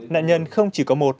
nạn nhân không chỉ có một